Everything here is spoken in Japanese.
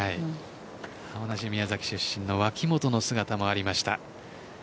同じ宮崎出身の脇元の姿もありました。